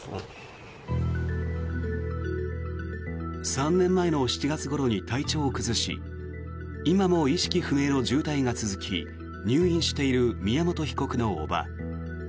３年前の７月ごろに体調を崩し今も意識不明の重体が続き入院している宮本被告の叔母。